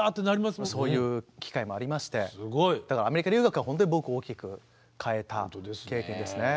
そういう機会もありましてアメリカ留学はほんとに僕を大きく変えた経験ですね。